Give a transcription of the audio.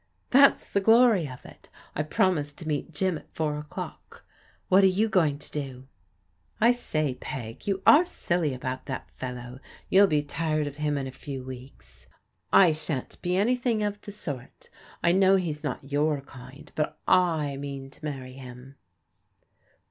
''That's the glory of it. I promised to meet Jim at four o'dock. What are you going to do? "" I say. Peg, you are silly about that fellow. You'll be tired of him in a few weeks." " I shan't be an)rthing of the sort I know he's not your kind ; but I mean to marry him."